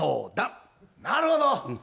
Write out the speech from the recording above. なるほど。